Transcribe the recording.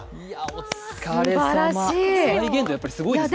お疲れ様再現度すごいですね。